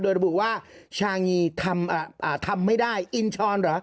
โดยระบุว่าชางีทำไม่ได้อินชรเหรอ